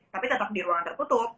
tapi tetap di ruangan tertutup